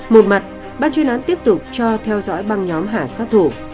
một mặt ban chuyên án tiếp tục cho theo dõi băng nhóm hà sát thủ